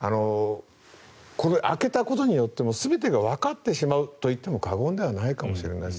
開けたことによって全てがわかってしまうといっても過言ではないかもしれないです。